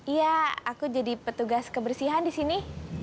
iya aku jadi petugas kebersihan di sini